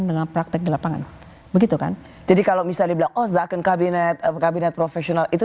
dengan kelepangan begitu kan jadi kalau misalnya bilang oh zakon kabinet kabinet profesional itu